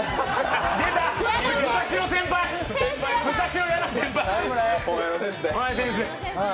出た、昔の嫌な先輩。